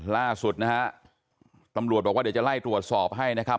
ล่าสุดนะฮะตำรวจบอกว่าเดี๋ยวจะไล่ตรวจสอบให้นะครับ